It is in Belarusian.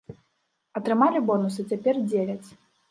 Атрымалі бонусы, цяпер дзеляць.